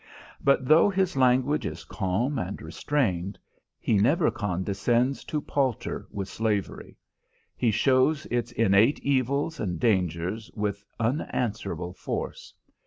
But though his language is calm and restrained, he never condescends to palter with slavery. He shows its innate evils and dangers with unanswerable force.